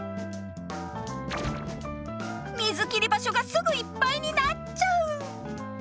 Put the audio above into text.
水切り場所がすぐいっぱいになっちゃう！